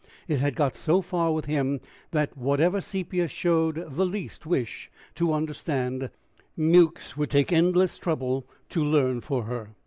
It had got so far with him that whatever Sepia showed the least wish to understand, Mewks would take endless trouble to learn for her.